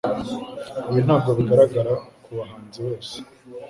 ibi ntabwo bigaragara ku bahanzi bose